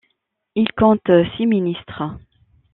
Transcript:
Il compte six ministres.